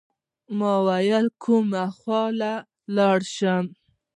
ما ویل کومه خوا لاړ شم.